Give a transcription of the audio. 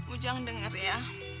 ujang denger ya